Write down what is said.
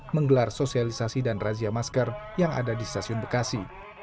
menggelar sosialisasi dan razia masker yang ada di stasiun bekasi